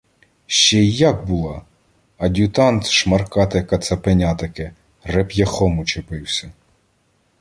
— Ще й як була! Ад'ютант — шмаркате кацапеня таке — реп'яхом учепився.